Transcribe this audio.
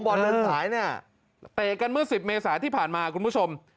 เดินสายเนี่ยเตะกันเมื่อ๑๐เมษาที่ผ่านมาคุณผู้ชม